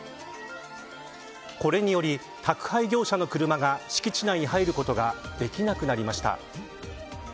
これにより宅配業者の車が敷地内に入ることができなくなりました。